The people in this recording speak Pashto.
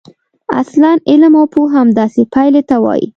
اصلاً علم او پوهه همداسې پایلې ته وايي.